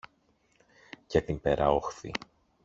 Για την πέρα όχθη.